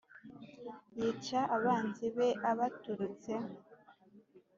Yica abanzi be abaturutse